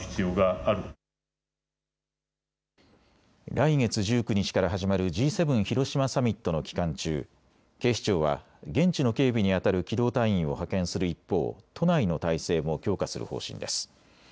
来月１９日から始まるＧ７広島サミットの期間中、警視庁は現地の警備にあたる機動隊員を派遣する一方、都内の態勢も強化する方針です。